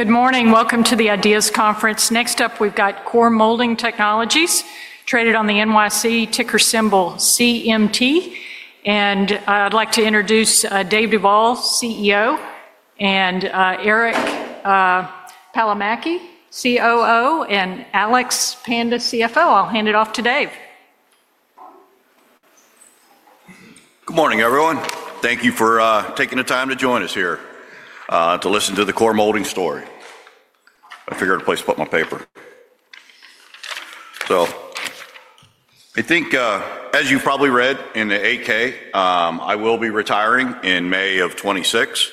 Good morning. Welcome to the Ideas Conference. Next up, we've got Core Molding Technologies, traded on the NYSE ticker symbol CMT. And I'd like to introduce Dave Duvall, CEO, and Eric Palomaki, COO, and Alex Panda, CFO. I'll hand it off to Dave. Good morning, everyone. Thank you for taking the time to join us here to listen to the Core Molding story. I figured a place to put my paper. I think, as you probably read in the AK, I will be retiring in May of 2026.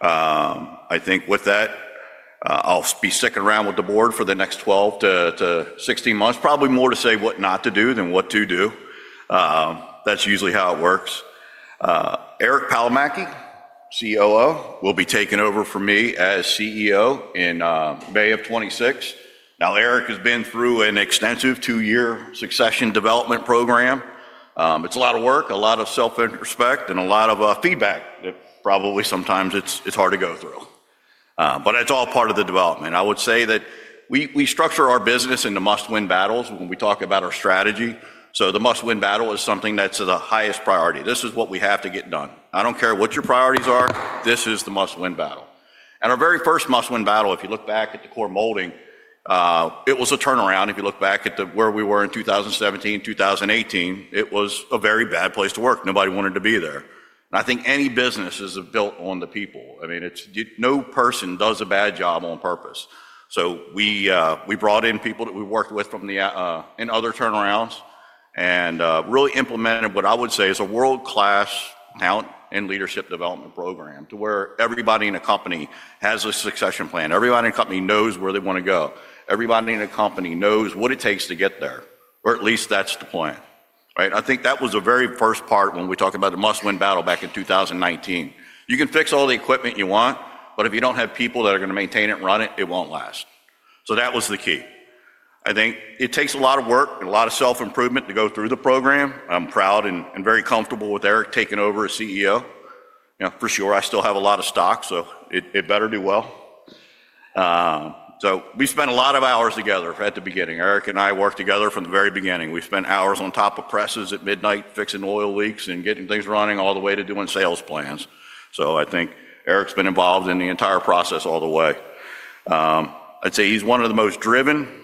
I think with that, I'll be sticking around with the board for the next 12 to 16 months, probably more to say what not to do than what to do. That's usually how it works. Eric Palomaki, COO, will be taking over for me as CEO in May of 2026. Now, Eric has been through an extensive two-year succession development program. It's a lot of work, a lot of self-introspect, and a lot of feedback that probably sometimes it's hard to go through. It's all part of the development. I would say that we structure our business into must-win battles when we talk about our strategy. The must-win battle is something that's the highest priority. This is what we have to get done. I don't care what your priorities are. This is the must-win battle. Our very first must-win battle, if you look back at Core Molding, it was a turnaround. If you look back at where we were in 2017, 2018, it was a very bad place to work. Nobody wanted to be there. I think any business is built on the people. I mean, no person does a bad job on purpose. We brought in people that we worked with from other turnarounds and really implemented what I would say is a world-class talent and leadership development program to where everybody in a company has a succession plan. Everybody in a company knows where they want to go. Everybody in a company knows what it takes to get there, or at least that's the plan. Right? I think that was the very first part when we talked about the must-win battle back in 2019. You can fix all the equipment you want, but if you don't have people that are going to maintain it and run it, it won't last. That was the key. I think it takes a lot of work and a lot of self-improvement to go through the program. I'm proud and very comfortable with Eric taking over as CEO. Now, for sure, I still have a lot of stock, so it better do well. We spent a lot of hours together at the beginning. Eric and I worked together from the very beginning. We spent hours on top of presses at midnight, fixing oil leaks and getting things running all the way to doing sales plans. I think Eric's been involved in the entire process all the way. I'd say he's one of the most driven,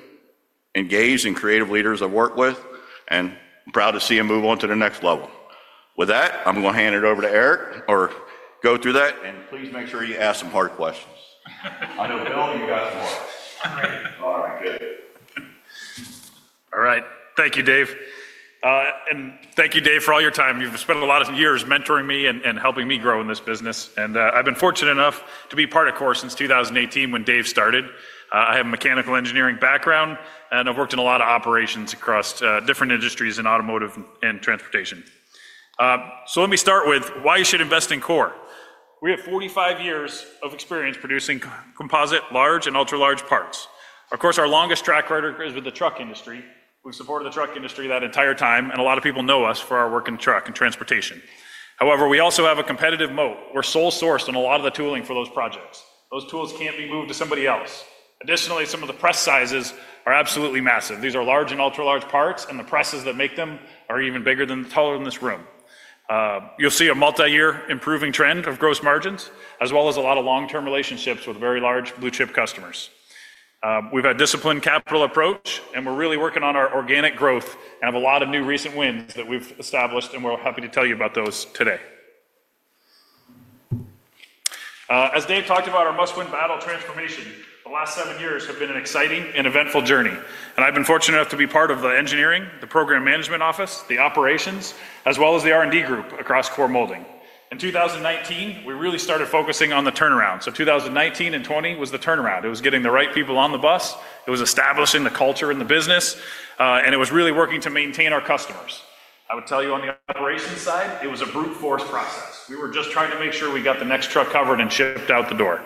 engaged, and creative leaders I've worked with, and I'm proud to see him move on to the next level. With that, I'm going to hand it over to Eric or go through that, and please make sure you ask some hard questions. I know, Bill, you got some hard questions. All right. Thank you, Dave. Thank you, Dave, for all your time. You've spent a lot of years mentoring me and helping me grow in this business. I've been fortunate enough to be part of Core since 2018 when Dave started. I have a mechanical engineering background, and I've worked in a lot of operations across different industries in automotive and transportation. Let me start with why you should invest in Core. We have 45 years of experience producing composite large and ultra-large parts. Of course, our longest track record is with the truck industry. We've supported the truck industry that entire time, and a lot of people know us for our work in truck and transportation. However, we also have a competitive moat. We're sole sourced on a lot of the tooling for those projects. Those tools can't be moved to somebody else. Additionally, some of the press sizes are absolutely massive. These are large and ultra-large parts, and the presses that make them are even bigger than the taller than this room. You'll see a multi-year improving trend of gross margins, as well as a lot of long-term relationships with very large blue-chip customers. We've had a disciplined capital approach, and we're really working on our organic growth and have a lot of new recent wins that we've established, and we're happy to tell you about those today. As Dave talked about, our must-win battle transformation, the last seven years have been an exciting and eventful journey. I've been fortunate enough to be part of the engineering, the program management office, the operations, as well as the R&D group across Core Molding. In 2019, we really started focusing on the turnaround. 2019 and 2020 was the turnaround. It was getting the right people on the bus. It was establishing the culture in the business, and it was really working to maintain our customers. I would tell you on the operations side, it was a brute force process. We were just trying to make sure we got the next truck covered and shipped out the door.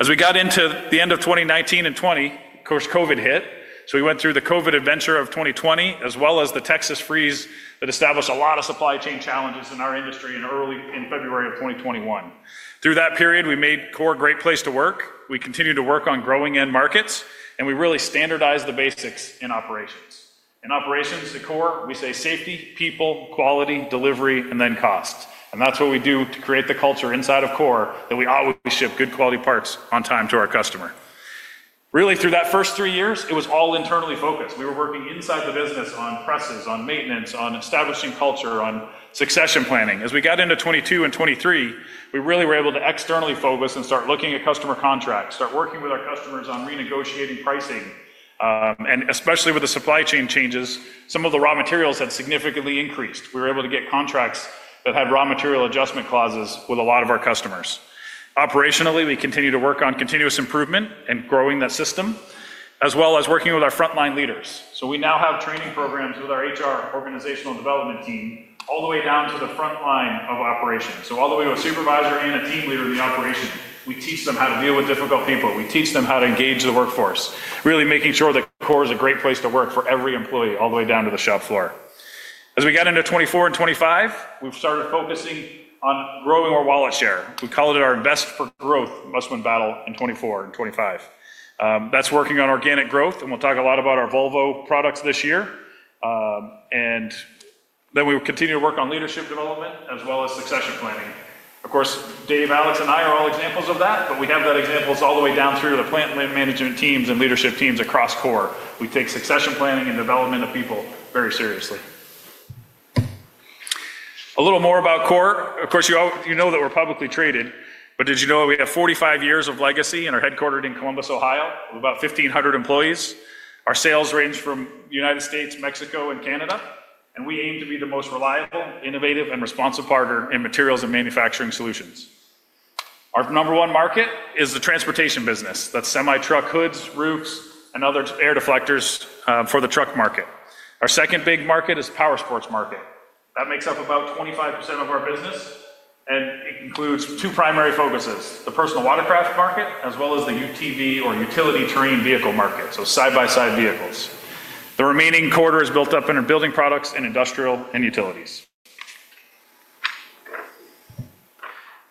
As we got into the end of 2019 and 2020, of course, COVID hit. We went through the COVID adventure of 2020, as well as the Texas freeze that established a lot of supply chain challenges in our industry in early February of 2021. Through that period, we made Core a great place to work. We continued to work on growing end markets, and we really standardized the basics in operations. In operations, at Core, we say safety, people, quality, delivery, and then cost. That is what we do to create the culture inside of Core that we always ship good quality parts on time to our customer. Really, through that first three years, it was all internally focused. We were working inside the business on presses, on maintenance, on establishing culture, on succession planning. As we got into 2022 and 2023, we really were able to externally focus and start looking at customer contracts, start working with our customers on renegotiating pricing. Especially with the supply chain changes, some of the raw materials had significantly increased. We were able to get contracts that had raw material adjustment clauses with a lot of our customers. Operationally, we continue to work on continuous improvement and growing that system, as well as working with our frontline leaders. We now have training programs with our HR organizational development team all the way down to the frontline of operations. All the way to a supervisor and a team leader in the operation, we teach them how to deal with difficult people. We teach them how to engage the workforce, really making sure that Core is a great place to work for every employee all the way down to the shop floor. As we got into 2024 and 2025, we've started focusing on growing our wallet share. We call it our best for growth must-win battle in 2024 and 2025. That's working on organic growth, and we'll talk a lot about our Volvo products this year. We will continue to work on leadership development as well as succession planning. Of course, Dave, Alex, and I are all examples of that, but we have that example all the way down through the plant management teams and leadership teams across Core. We take succession planning and development of people very seriously. A little more about Core. Of course, you know that we're publicly traded, but did you know we have 45 years of legacy and are headquartered in Columbus, Ohio, with about 1,500 employees? Our sales range from the United States, Mexico, and Canada, and we aim to be the most reliable, innovative, and responsive partner in materials and manufacturing solutions. Our number one market is the transportation business. That's semi-truck hoods, roofs, and other air deflectors for the truck market. Our second big market is the power sports market. That makes up about 25% of our business, and it includes two primary focuses: the personal watercraft market, as well as the UTV or utility terrain vehicle market, so side-by-side vehicles. The remaining quarter is built up in our building products and industrial and utilities.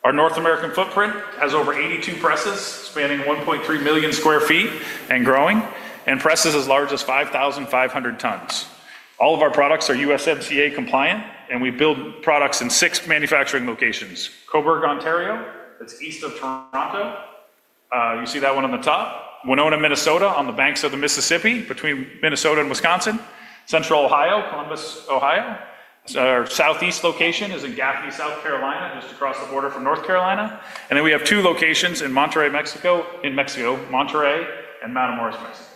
Our North American footprint has over 82 presses spanning 1.3 million sq ft and growing, and presses as large as 5,500 tons. All of our products are USMCA compliant, and we build products in six manufacturing locations: Coburg, Ontario, that's east of Toronto. You see that one on the top, Winona, Minnesota, on the banks of the Mississippi between Minnesota and Wisconsin, Central Ohio, Columbus, Ohio. Our southeast location is in Gaffney, South Carolina, just across the border from North Carolina. We have two locations in Monterrey, Mexico, in Mexico, Monterrey and Matamoros, Mexico.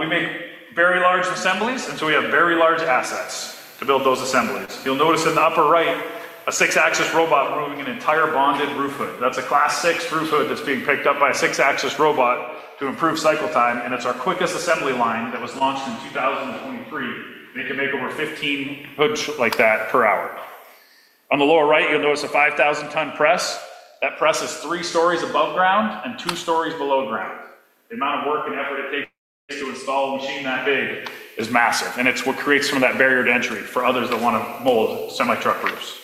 We make very large assemblies, and so we have very large assets to build those assemblies. You'll notice in the upper right, a six-axis robot moving an entire bonded roof hood. That's a class six roof hood that's being picked up by a six-axis robot to improve cycle time. It's our quickest assembly line that was launched in 2023. They can make over 15 hoods like that per hour. On the lower right, you'll notice a 5,000-ton press. That press is three stories above ground and two stories below ground. The amount of work and effort it takes to install a machine that big is massive, and it's what creates some of that barrier to entry for others that want to mold semi-truck roofs.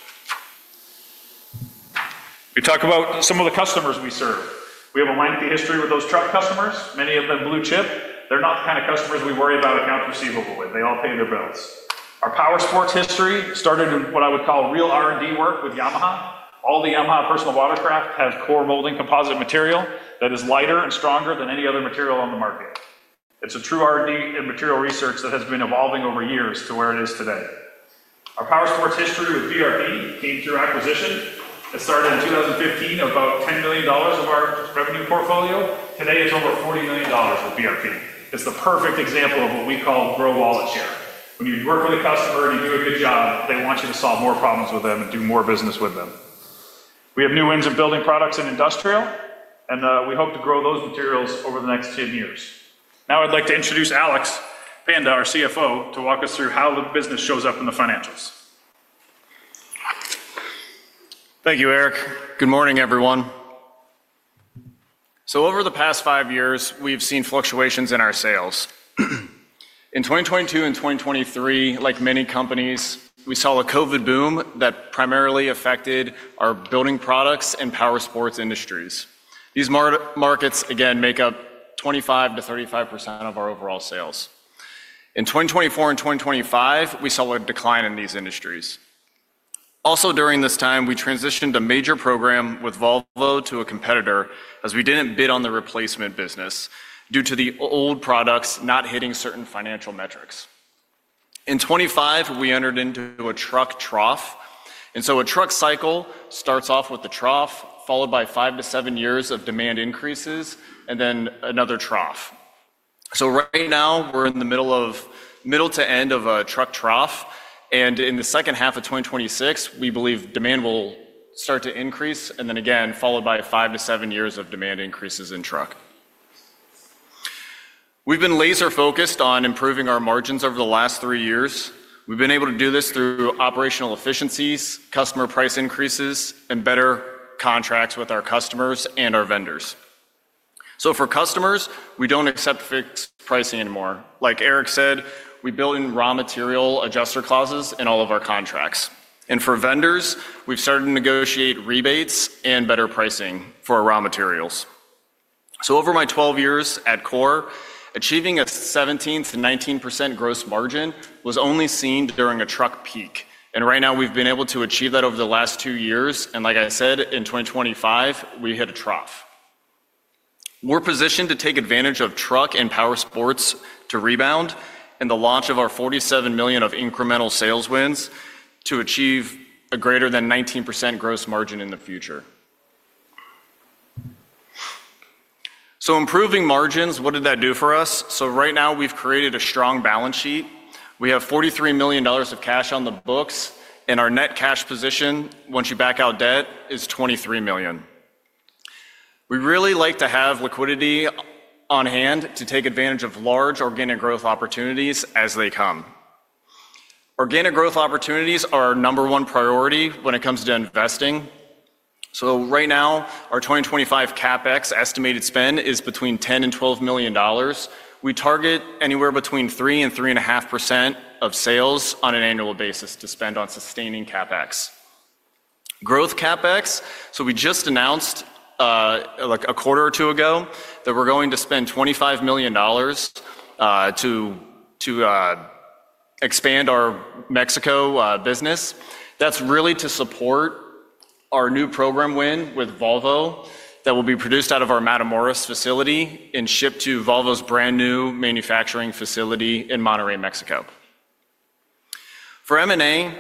We talk about some of the customers we serve. We have a lengthy history with those truck customers, many of them blue chip. They're not the kind of customers we worry about account receivable with. They all pay their bills. Our power sports history started in what I would call real R&D work with Yamaha. All the Yamaha personal watercraft have Core Molding composite material that is lighter and stronger than any other material on the market. It's a true R&D and material research that has been evolving over years to where it is today. Our power sports history with BRP came through acquisition. It started in 2015 at about $10 million of our revenue portfolio. Today, it's over $40 million with BRP. It's the perfect example of what we call grow wallet share. When you work with a customer and you do a good job, they want you to solve more problems with them and do more business with them. We have new wins in building products and industrial, and we hope to grow those materials over the next 10 years. Now I'd like to introduce Alex Panda, our CFO, to walk us through how the business shows up in the financials. Thank you, Eric. Good morning, everyone. Over the past five years, we've seen fluctuations in our sales. In 2022 and 2023, like many companies, we saw a COVID boom that primarily affected our building products and power sports industries. These markets, again, make up 25%-35% of our overall sales. In 2024 and 2025, we saw a decline in these industries. Also, during this time, we transitioned a major program with Volvo to a competitor as we did not bid on the replacement business due to the old products not hitting certain financial metrics. In 2025, we entered into a truck trough. A truck cycle starts off with the trough, followed by five to seven years of demand increases, and then another trough. Right now, we are in the middle to end of a truck trough. In the second half of 2026, we believe demand will start to increase, followed by five to seven years of demand increases in truck. We've been laser-focused on improving our margins over the last three years. We've been able to do this through operational efficiencies, customer price increases, and better contracts with our customers and our vendors. For customers, we don't accept fixed pricing anymore. Like Eric said, we build in raw material adjuster clauses in all of our contracts. For vendors, we've started to negotiate rebates and better pricing for raw materials. Over my 12 years at Core, achieving a 17%-19% gross margin was only seen during a truck peak. Right now, we've been able to achieve that over the last two years. Like I said, in 2025, we hit a trough. We're positioned to take advantage of truck and power sports to rebound and the launch of our $47 million of incremental sales wins to achieve a greater than 19% gross margin in the future. Improving margins, what did that do for us? Right now, we've created a strong balance sheet. We have $43 million of cash on the books, and our net cash position, once you back out debt, is $23 million. We really like to have liquidity on hand to take advantage of large organic growth opportunities as they come. Organic growth opportunities are our number one priority when it comes to investing. Right now, our 2025 CapEx estimated spend is between $10 million-$12 million. We target anywhere between 3%-3.5% of sales on an annual basis to spend on sustaining CapEx. Growth CapEx, we just announced like a quarter or two ago that we're going to spend $25 million to expand our Mexico business. That's really to support our new program win with Volvo that will be produced out of our Matamoros facility and shipped to Volvo's brand new manufacturing facility in Monterrey, Mexico. For M&A,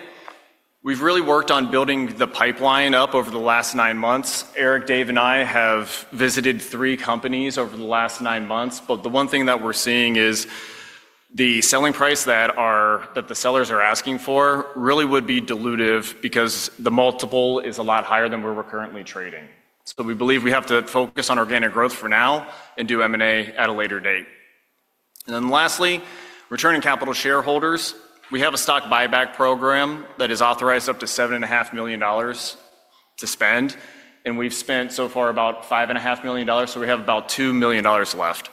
we've really worked on building the pipeline up over the last nine months. Eric, Dave, and I have visited three companies over the last nine months, but the one thing that we're seeing is the selling price that the sellers are asking for really would be dilutive because the multiple is a lot higher than where we're currently trading. We believe we have to focus on organic growth for now and do M&A at a later date. Lastly, returning capital to shareholders, we have a stock buyback program that is authorized up to $7.5 million to spend, and we've spent so far about $5.5 million, so we have about $2 million left.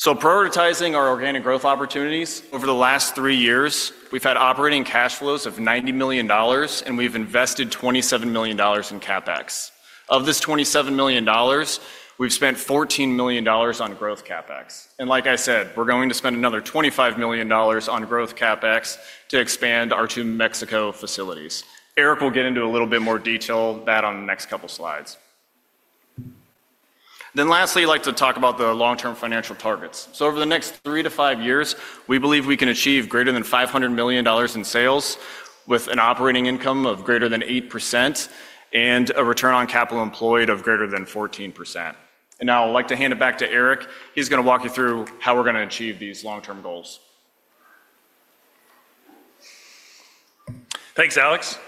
Prioritizing our organic growth opportunities, over the last three years, we've had operating cash flows of $90 million, and we've invested $27 million in CapEx. Of this $27 million, we've spent $14 million on growth CapEx. Like I said, we're going to spend another $25 million on growth CapEx to expand our two Mexico facilities. Eric will get into a little bit more detail of that on the next couple of slides. Lastly, I'd like to talk about the long-term financial targets. Over the next three to five years, we believe we can achieve greater than $500 million in sales with an operating income of greater than 8% and a return on capital employed of greater than 14%. Now I'd like to hand it back to Eric. He's going to walk you through how we're going to achieve these long-term goals. Thanks, Alex.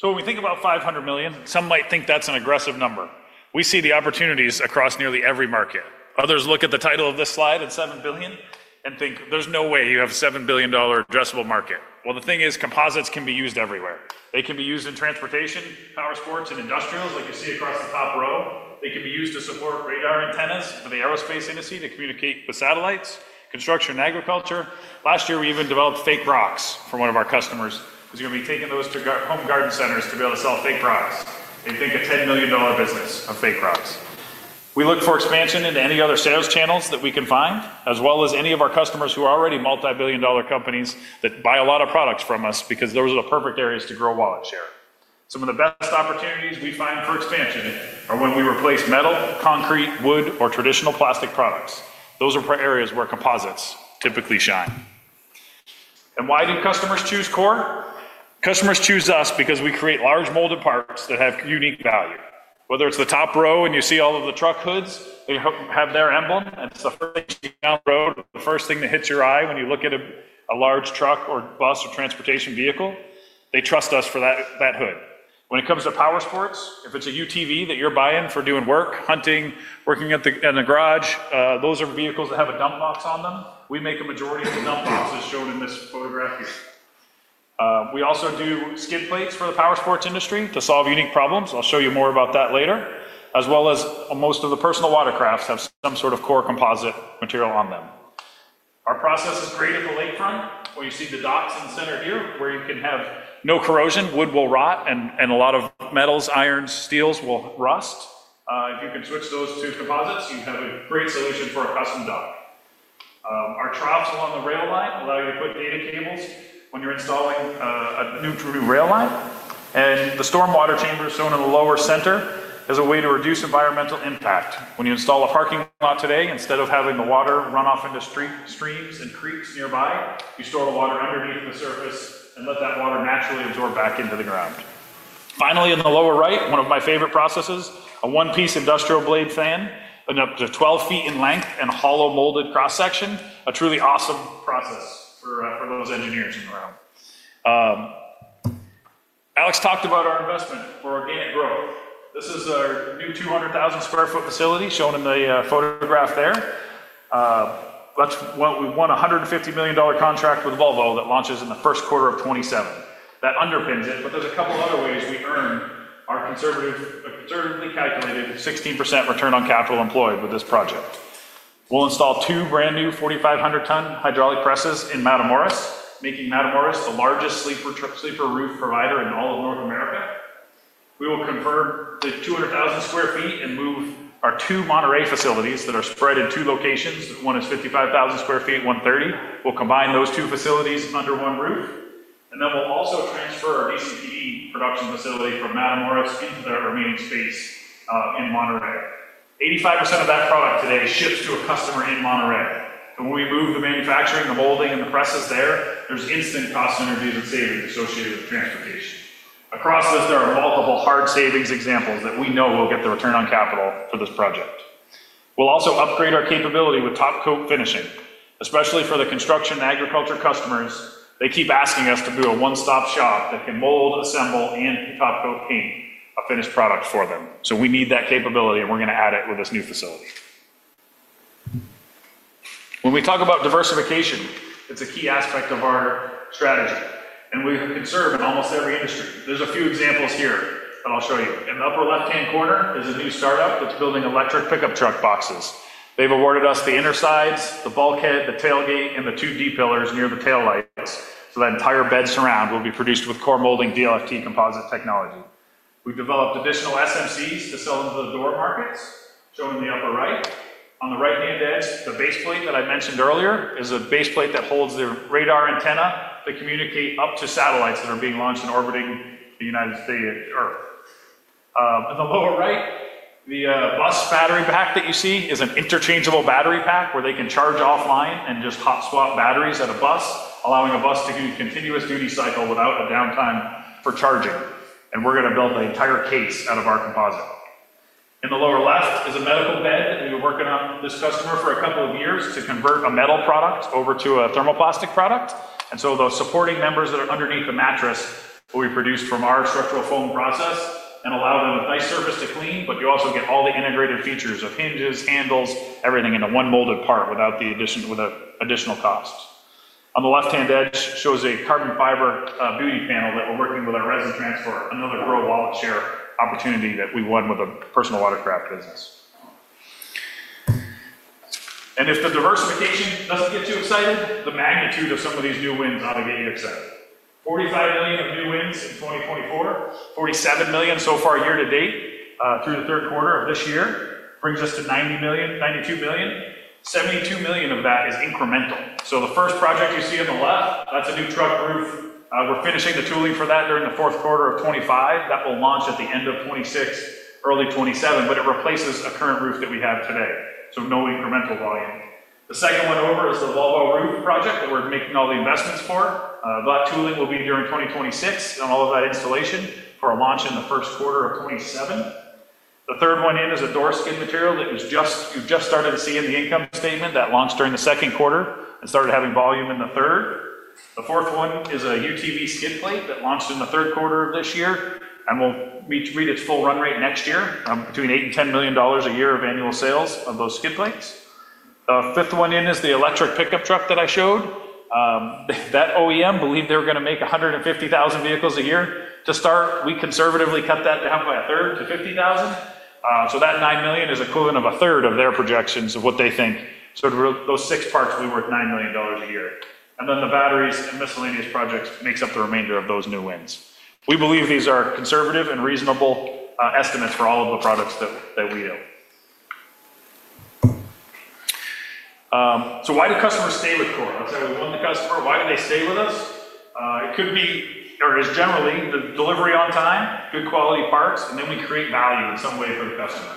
When we think about $500 million, some might think that's an aggressive number. We see the opportunities across nearly every market. Others look at the title of this slide at $7 billion and think, "There's no way you have a $7 billion addressable market." The thing is, composites can be used everywhere. They can be used in transportation, power sports, and industrials, like you see across the top row. They can be used to support radar antennas for the aerospace industry to communicate with satellites, construction, and agriculture. Last year, we even developed fake rocks for one of our customers. He's going to be taking those to home garden centers to be able to sell fake rocks. They think a $10 million business of fake rocks. We look for expansion into any other sales channels that we can find, as well as any of our customers who are already multi-billion dollar companies that buy a lot of products from us because those are the perfect areas to grow wallet share. Some of the best opportunities we find for expansion are when we replace metal, concrete, wood, or traditional plastic products. Those are areas where composites typically shine. Why do customers choose Core? Customers choose us because we create large molded parts that have unique value. Whether it's the top row and you see all of the truck hoods, they have their emblem, and it's the first thing down the road, the first thing that hits your eye when you look at a large truck or bus or transportation vehicle, they trust us for that hood. When it comes to power sports, if it's a UTV that you're buying for doing work, hunting, working in a garage, those are vehicles that have a dump box on them. We make a majority of the dump boxes shown in this photograph here. We also do skid plates for the power sports industry to solve unique problems. I'll show you more about that later, as well as most of the personal watercrafts have some sort of Core composite material on them. Our process is great at the lakefront, where you see the docks in the center here, where you can have no corrosion. Wood will rot, and a lot of metals, irons, steels will rust. If you can switch those to composites, you have a great solution for a custom dock. Our troughs along the rail line allow you to put data cables when you're installing a new rail line. The stormwater chamber is shown in the lower center as a way to reduce environmental impact. When you install a parking lot today, instead of having the water run off into streams and creeks nearby, you store the water underneath the surface and let that water naturally absorb back into the ground. Finally, in the lower right, one of my favorite processes, a one-piece industrial blade fan up to 12 ft in length and a hollow molded cross-section, a truly awesome process for those engineers in the room. Alex talked about our investment for organic growth. This is our new 200,000 sq ft facility shown in the photograph there. That's what we won a $150 million contract with Volvo that launches in the first quarter of 2027. That underpins it, but there's a couple of other ways we earn our conservatively calculated 16% return on capital employed with this project. We'll install two brand new 4,500-ton hydraulic presses in Matamoros, making Matamoros the largest sleeper roof provider in all of North America. We will convert the 200,000 sq ft and move our two Monterrey facilities that are spread in two locations. One is 55,000 sq ft, 130. We'll combine those two facilities under one roof. Then we'll also transfer our DCPD production facility from Matamoros into that remaining space in Monterrey. 85% of that product today ships to a customer in Monterrey. When we move the manufacturing, the molding, and the presses there, there's instant cost synergies and savings associated with transportation. Across this, there are multiple hard savings examples that we know will get the return on capital for this project. We'll also upgrade our capability with top coat finishing, especially for the construction and agriculture customers. They keep asking us to do a one-stop shop that can mold, assemble, and top coat paint a finished product for them. We need that capability, and we're going to add it with this new facility. When we talk about diversification, it's a key aspect of our strategy, and we conserve in almost every industry. There's a few examples here that I'll show you. In the upper left-hand corner is a new startup that's building electric pickup truck boxes. They've awarded us the inner sides, the bulkhead, the tailgate, and the two D-pillars near the tail lights. That entire bed surround will be produced with Core Molding DLFT composite technology. We've developed additional SMCs to sell into the door markets, shown in the upper right. On the right-hand edge, the base plate that I mentioned earlier is a base plate that holds the radar antenna to communicate up to satellites that are being launched and orbiting the United States Earth. In the lower right, the bus battery pack that you see is an interchangeable battery pack where they can charge offline and just hot swap batteries at a bus, allowing a bus to do a continuous duty cycle without a downtime for charging. We are going to build an entire case out of our composite. In the lower left is a medical bed that we were working on with this customer for a couple of years to convert a metal product over to a thermoplastic product. Those supporting members that are underneath the mattress will be produced from our structural foam process and allow them a nice surface to clean, but you also get all the integrated features of hinges, handles, everything in one molded part without the additional cost. On the left-hand edge shows a carbon fiber beauty panel that we're working with our resin transfer for another grow wallet share opportunity that we won with a personal watercraft business. If the diversification does not get too exciting, the magnitude of some of these new wins ought to get you excited. $45 million of new wins in 2024, $47 million so far year to date through the third quarter of this year brings us to $92 million. $72 million of that is incremental. The first project you see on the left, that is a new truck roof. We're finishing the tooling for that during the fourth quarter of 2025. That will launch at the end of 2026, early 2027, but it replaces a current roof that we have today. So no incremental volume. The second one over is the Volvo roof project that we're making all the investments for. That tooling will be during 2026 and all of that installation for a launch in the first quarter of 2027. The third one in is a door skid material that you've just started to see in the income statement that launched during the second quarter and started having volume in the third. The fourth one is a UTV skid plate that launched in the third quarter of this year and will reach its full run rate next year, between $8 million and $10 million a year of annual sales of those skid plates. The fifth one in is the electric pickup truck that I showed. That OEM believed they were going to make 150,000 vehicles a year. To start, we conservatively cut that down by a third to 50,000. So that $9 million is equivalent of a third of their projections of what they think. Those six parts will be worth $9 million a year. The batteries and miscellaneous projects make up the remainder of those new wins. We believe these are conservative and reasonable estimates for all of the products that we do. Why do customers stay with Core? Let's say we won the customer. Why do they stay with us? It could be, or is generally, the delivery on time, good quality parts, and then we create value in some way for the customer.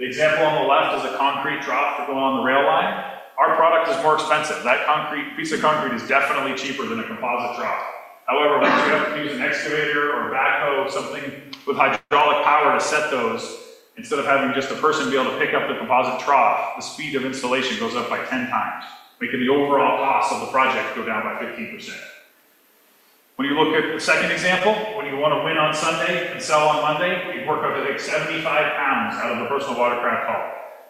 The example on the left is a concrete trough to go on the rail line. Our product is more expensive. That piece of concrete is definitely cheaper than a composite trough. However, once you have to use an excavator or a backhoe, something with hydraulic power to set those, instead of having just a person be able to pick up the composite trough, the speed of installation goes up by 10 times, making the overall cost of the project go down by 15%. When you look at the second example, when you want to win on Sunday and sell on Monday, you work out to take 75 lbs out of the personal watercraft hull.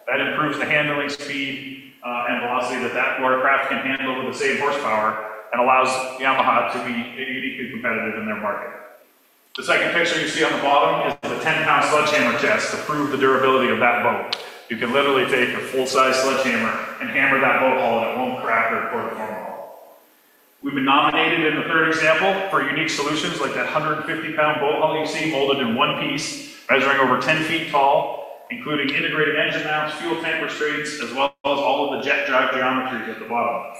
That improves the handling speed and velocity that that watercraft can handle with the same horsepower and allows Yamaha to be uniquely competitive in their market. The second picture you see on the bottom is the 10-pound sledgehammer test to prove the durability of that boat. You can literally take a full-size sledgehammer and hammer that boat hull and it will not crack or pull the corner off. We have been nominated in the third example for unique solutions like that 150-pound boat hull you see molded in one piece, measuring over 10 feet tall, including integrated engine mounts, fuel tank restraints, as well as all of the jet drive geometries at the bottom.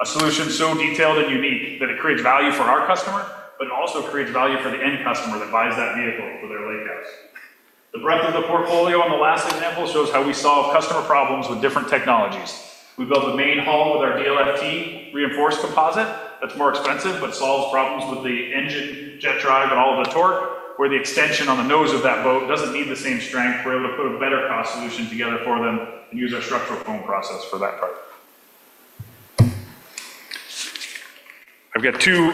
A solution so detailed and unique that it creates value for our customer, but it also creates value for the end customer that buys that vehicle for their lake house. The breadth of the portfolio on the last example shows how we solve customer problems with different technologies. We built a main hull with our DLFT reinforced composite that's more expensive, but solves problems with the engine, jet drive, and all of the torque, where the extension on the nose of that boat doesn't need the same strength. We're able to put a better cost solution together for them and use our structural foam process for that part. I've got two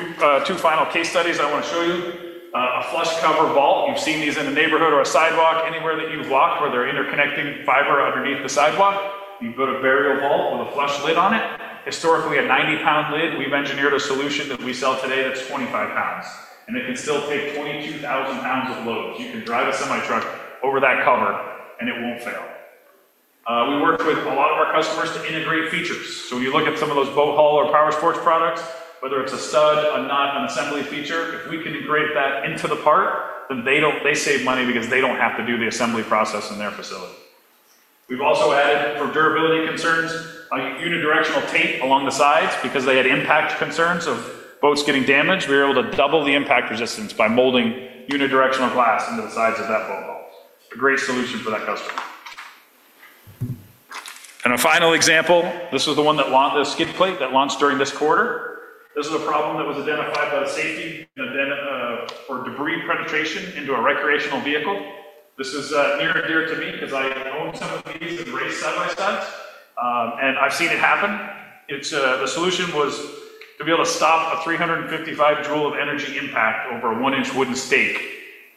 final case studies I want to show you. A flush cover vault. You've seen these in a neighborhood or a sidewalk, anywhere that you've walked where there are interconnecting fiber underneath the sidewalk. You've got a burial vault with a flush lid on it. Historically, a 90 lb lid, we've engineered a solution that we sell today that's 25 lb. And it can still take 22,000 lb of load. You can drive a semi-truck over that cover and it won't fail. We worked with a lot of our customers to integrate features. When you look at some of those boat hull or power sports products, whether it's a stud, a knot, an assembly feature, if we can integrate that into the part, then they save money because they don't have to do the assembly process in their facility. We've also added, for durability concerns, unidirectional tape along the sides because they had impact concerns of boats getting damaged. We were able to double the impact resistance by molding unidirectional glass into the sides of that boat hull. A great solution for that customer. A final example, this is the one that skid plate that launched during this quarter. This is a problem that was identified by the safety for debris penetration into a recreational vehicle. This is near and dear to me because I own some of these and race side by side, and I've seen it happen. The solution was to be able to stop a 355 J of energy impact over a one-inch wooden stake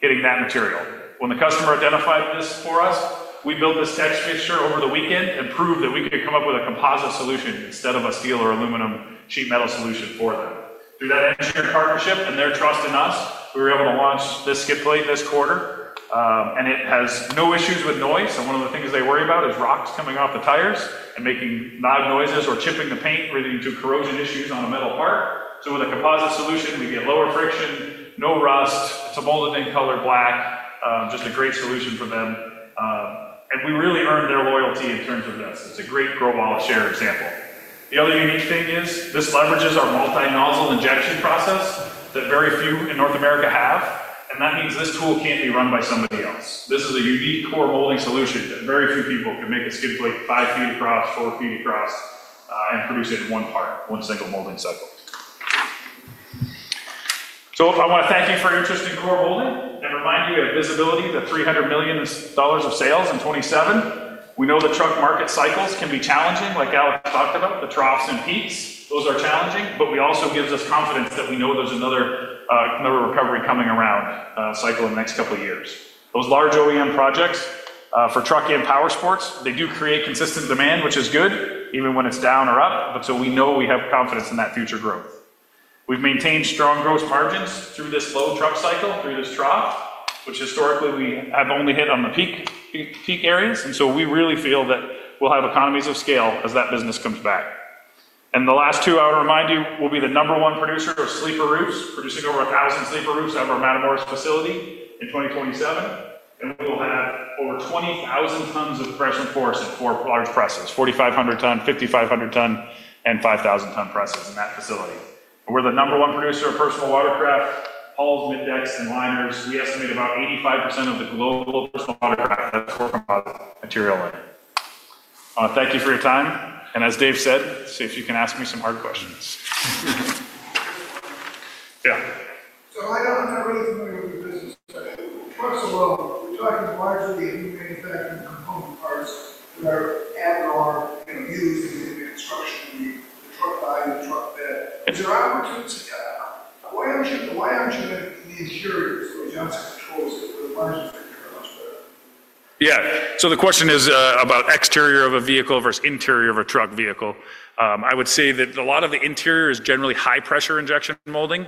hitting that material. When the customer identified this for us, we built this test fixture over the weekend and proved that we could come up with a composite solution instead of a steel or aluminum sheet metal solution for them. Through that engineering partnership and their trust in us, we were able to launch this skid plate this quarter, and it has no issues with noise. One of the things they worry about is rocks coming off the tires and making loud noises or chipping the paint, leading to corrosion issues on a metal part. With a composite solution, we get lower friction, no rust, it's a molded-in color black, just a great solution for them. We really earned their loyalty in terms of this. It's a great grow wallet share example. The other unique thing is this leverages our multi-nozzle injection process that very few in North America have, and that means this tool can't be run by somebody else. This is a unique Core Molding solution that very few people can make a skid plate five feet across, four feet across, and produce it in one part, one single molding cycle. I want to thank you for your interest in Core Molding and remind you we have visibility to $300 million of sales in 2027. We know the truck market cycles can be challenging, like Alex talked about, the troughs and peaks. Those are challenging, but we also give us confidence that we know there's another recovery coming around cycle in the next couple of years. Those large OEM projects for truck and power sports, they do create consistent demand, which is good, even when it's down or up, so we know we have confidence in that future growth. We've maintained strong gross margins through this low truck cycle, through this trough, which historically we have only hit on the peak areas. We really feel that we'll have economies of scale as that business comes back. The last two I want to remind you will be the number one producer of sleeper roofs, producing over 1,000 sleeper roofs out of our Matamoros facility in 2027. We will have over 20,000 tons of press and force at four large presses, 4,500-ton, 5,500-ton, and 5,000-ton presses in that facility. We're the number one producer of personal watercraft, hulls, middecks, and liners. We estimate about 85% of the global personal watercraft has Core Composite material in it. Thank you for your time. As Dave said, see if you can ask me some hard questions. Yeah. I'm not really familiar with the business. Trucks alone, you're talking largely of new manufacturing component parts that are added on or used in the construction, the truck body, the truck bed. Is there an opportunity to add on? Why aren't you going to be the interior so Johnson Controls it where the margins are much better? Yeah. The question is about exterior of a vehicle versus interior of a truck vehicle. I would say that a lot of the interior is generally high-pressure injection molding.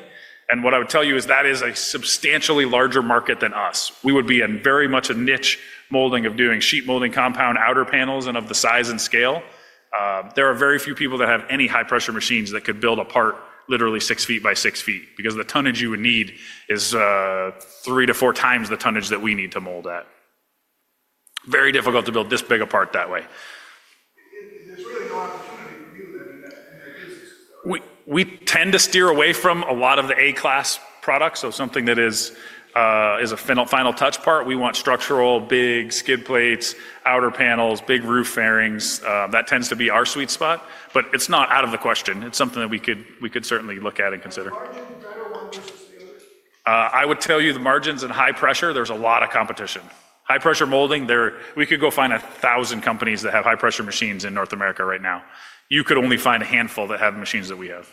What I would tell you is that is a substantially larger market than us. We would be in very much a niche molding of doing sheet molding compound outer panels and of the size and scale. There are very few people that have any high-pressure machines that could build a part literally six feet by six feet because the tonnage you would need is three to four times the tonnage that we need to mold at. Very difficult to build this big a part that way. There is really no opportunity for you in that business. We tend to steer away from a lot of the A-class products. Something that is a final touch part, we want structural big skid plates, outer panels, big roof fairings. That tends to be our sweet spot. It is not out of the question. It is something that we could certainly look at and consider. How much better one versus the other? I would tell you the margins in high pressure, there's a lot of competition. High-pressure molding, we could go find 1,000 companies that have high-pressure machines in North America right now. You could only find a handful that have machines that we have.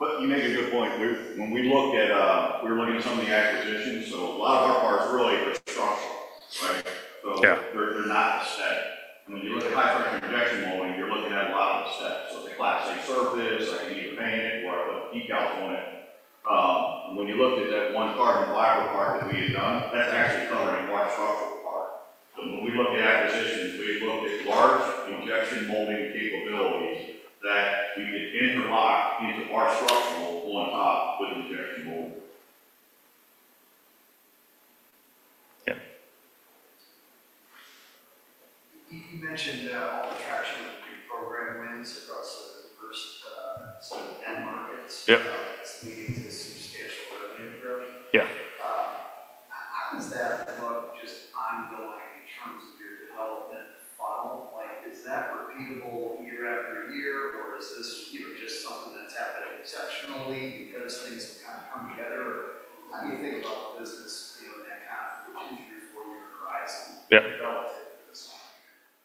You make a good point. When we look at, we were looking at some of the acquisitions, a lot of our parts really are structural, right? They're not aesthetic. When you look at high-pressure injection molding, you're looking at a lot of aesthetics. It's a class A surface. I can either paint it or I put a peak out on it. When you looked at that one hard and viable part that we had done, that's actually covering a large structural part. When we looked at acquisitions, we looked at large injection molding capabilities that we could interlock into our structural on top with injection molding. Yeah. You mentioned all the traction of the pre-programmed wins across the first sort of 10 markets. That's leading to a substantial revenue growth. How does that look just ongoing in terms of your development funnel? Is that repeatable year after year, or is this just something that's happening exceptionally because things have kind of come together? How do you think about the business in that kind of two to four-year horizon relative to this?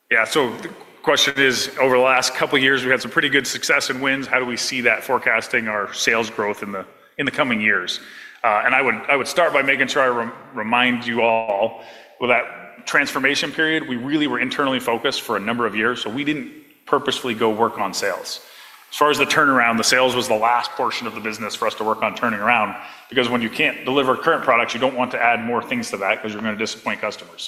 Yeah. The question is, over the last couple of years, we had some pretty good success in wins. How do we see that forecasting our sales growth in the coming years? I would start by making sure I remind you all that transformation period, we really were internally focused for a number of years. We did not purposefully go work on sales. As far as the turnaround, the sales was the last portion of the business for us to work on turning around because when you cannot deliver current products, you do not want to add more things to that because you are going to disappoint customers.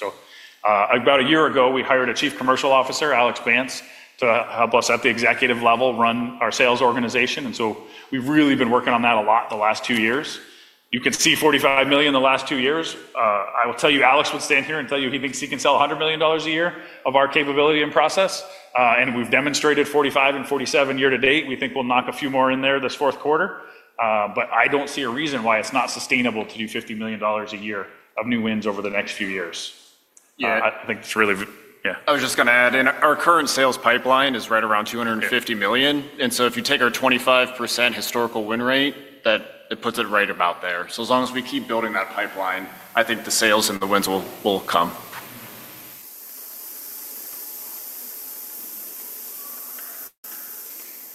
About a year ago, we hired a Chief Commercial Officer, Alex Bantz, to help us at the executive level run our sales organization. We have really been working on that a lot the last two years. You can see $45 million the last two years. I will tell you, Alex would stand here and tell you he thinks he can sell $100 million a year of our capability and process. We have demonstrated $45 million and $47 million year to date. We think we will knock a few more in there this fourth quarter. I do not see a reason why it is not sustainable to do $50 million a year of new wins over the next few years. I think it is really, yeah. I was just going to add in our current sales pipeline is right around $250 million. If you take our 25% historical win rate, that puts it right about there. As long as we keep building that pipeline, I think the sales and the wins will come.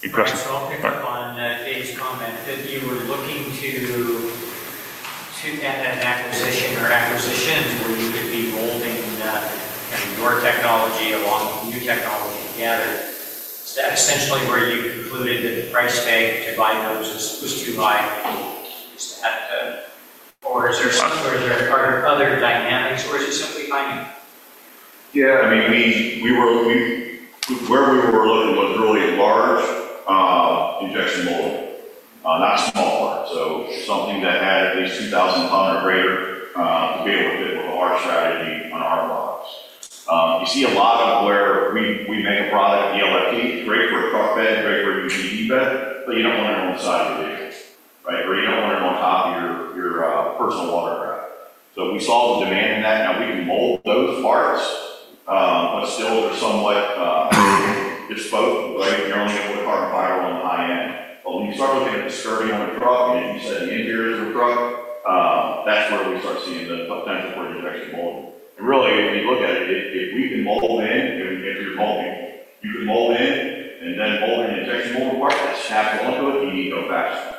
Any questions? On Dave's comment, if you were looking to get an acquisition or acquisitions where you could be molding your technology along with new technology together, is that essentially where you concluded that the price tag to buy those was too high? Or are there other dynamics, or is it simply timing? Yeah. I mean, where we were looking was really large injection molding, not small parts. Something that had at least 2,000 lbs or greater to be able to fit with our strategy on our box. You see a lot of where we make a product, DLFT, great for a truck bed, great for a UGB bed, but you do not want it on the side of your vehicle, right? Or you do not want it on top of your personal watercraft. We saw the demand in that. Now, we can mold those parts, but still they are somewhat bespoke, right? You are only going to put carbon fiber on the high end. When you start looking at the skirting on the truck, and if you said the interior of the truck, that is where we start seeing the potential for injection molding. If you look at it, if we can mold in, if you're molding, you can mold in, and then mold an injection molding part that snaps onto it, you need to go faster.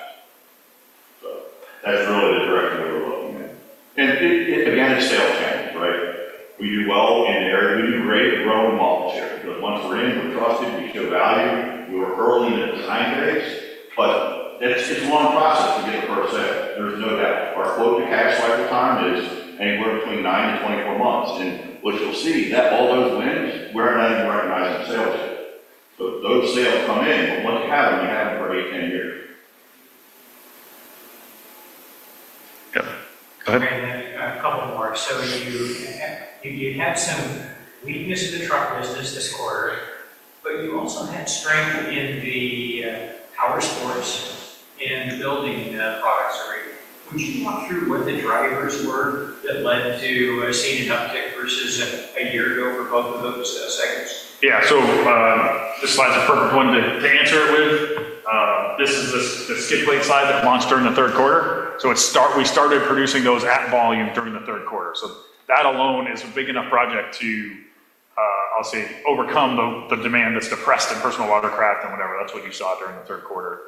That is really the direction we were looking at. Again, it is a sales challenge, right? We do well in the area. We do great growing model share because once we are in, we are trusted, we show value. We were early in the design phase, but it is a long process to get the first sale. There is no doubt. Our float-to-cash cycle time is anywhere between 9-24 months. What you will see, all those wins, we are not even recognizing sales yet. Those sales come in, but once you have them, you have them for 8-10 years. Yeah. Go ahead. A couple more. You had some weakness in the truck business this quarter, but you also had strength in the power sports and building products already. Would you walk through what the drivers were that led to a seen an uptick versus a year ago for both of those segments? Yeah. This slide's a perfect one to answer it with. This is the skid plate slide that launched during the third quarter. We started producing those at volume during the third quarter. That alone is a big enough project to, I'll say, overcome the demand that's depressed in personal watercraft and whatever. That's what you saw during the third quarter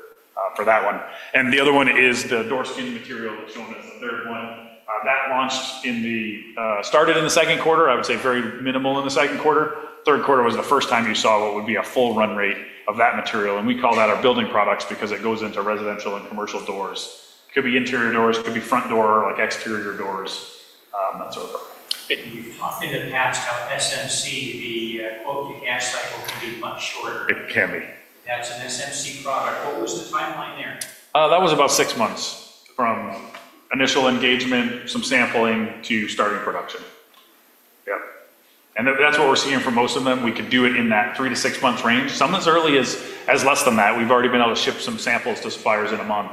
for that one. The other one is the door skin material that's shown as the third one. That launched in the started in the second quarter. I would say very minimal in the second quarter. Third quarter was the first time you saw what would be a full run rate of that material. We call that our building products because it goes into residential and commercial doors. It could be interior doors. It could be front door, like exterior doors, that sort of thing. You've talked in the past how SMC, the quote-to-cash cycle, can be much shorter. It can be. That's an SMC product. What was the timeline there? That was about six months from initial engagement, some sampling, to starting production. Yeah. That's what we're seeing for most of them. We could do it in that three- to six-month range. Some as early as less than that. We've already been able to ship some samples to suppliers in a month.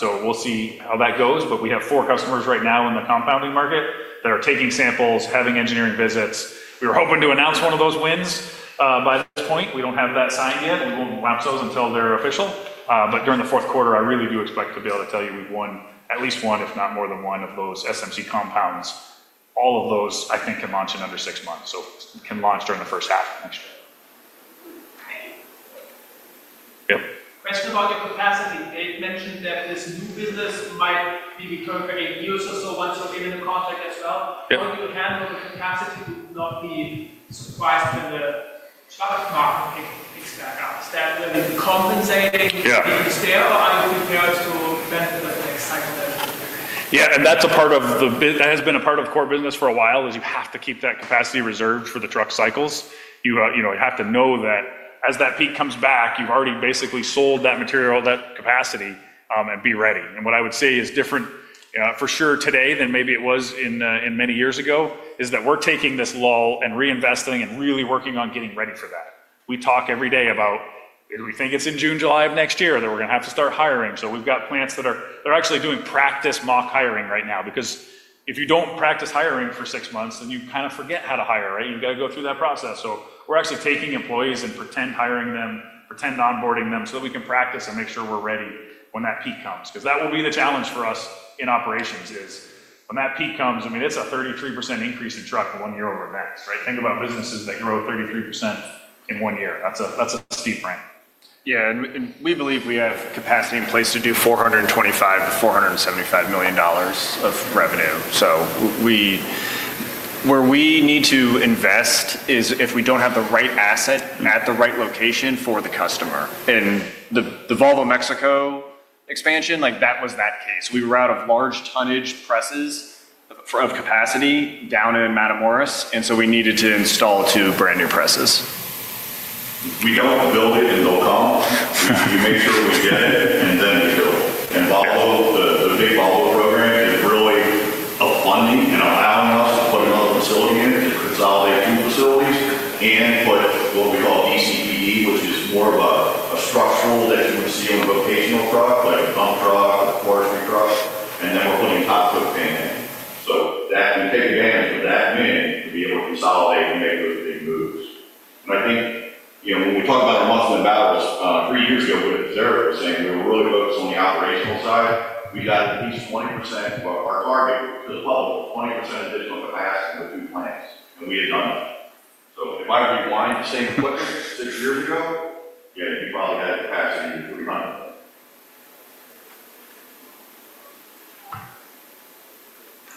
We will see how that goes. We have four customers right now in the compounding market that are taking samples, having engineering visits. We were hoping to announce one of those wins by this point. We do not have that signed yet. We will not announce those until they are official. During the fourth quarter, I really do expect to be able to tell you we have won at least one, if not more than one of those SMC compounds. All of those, I think, can launch in under six months. They can launch during the first half of next year. Yeah. Question about your capacity. They have mentioned that this new business might be recurring for eight years or so once you are given the contract as well. How do you handle the capacity? You would not be surprised when the truck market picks back up. Is that really compensating the stair or are you prepared to benefit of the next cycle? Yeah. That has been a part of Core business for a while is you have to keep that capacity reserved for the truck cycles. You have to know that as that peak comes back, you've already basically sold that material, that capacity, and be ready. What I would say is different for sure today than maybe it was many years ago is that we're taking this lull and reinvesting and really working on getting ready for that. We talk every day about, "Do we think it's in June, July of next year that we're going to have to start hiring?" We have plants that are actually doing practice mock hiring right now because if you do not practice hiring for six months, then you kind of forget how to hire, right? You have to go through that process. We are actually taking employees and pretend hiring them, pretend onboarding them so that we can practice and make sure we're ready when that peak comes. That will be the challenge for us in operations when that peak comes. I mean, it's a 33% increase in truck in one year over max, right? Think about businesses that grow 33% in one year. That's a steep ramp. Yeah. We believe we have capacity in place to do $425 million-$475 million of revenue. Where we need to invest is if we do not have the right asset at the right location for the customer. The Volvo Mexico expansion was that case. We were out of large tonnage presses of capacity down in Matamoros, and we needed to install two brand new presses. We do not build it and hope they come. We make sure we get it and then we build it. The big Volvo program is really funding and allowing us to put another facility in to consolidate two facilities and put what we call DCPD, which is more of a structural that you would see on a vocational truck, like a pump truck or a forestry truck. We are putting topcoat paint in, so we take advantage of that win to be able to consolidate and make those big moves. I think when we talked about our months and values, three years ago with Zero, saying we were really focused on the operational side, we got at least 20% of our target to the public, 20% additional capacity with two plants. We had done that. If I rewind the same equipment six years ago, you probably had capacity in 300.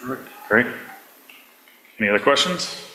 All right. Great. Any other questions? Thank you.